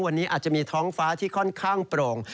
วันนี้อาจจะมีท้องฟ้าที่ค่อนข้างโปร่ง